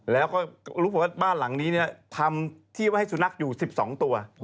แล้วก็รู้สึกว่าบ้านหลังนี้ทำที่ไว้ให้สุนัขอยู่๑๒ตัว